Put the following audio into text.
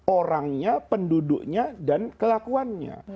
orangnya penduduknya dan kelakuannya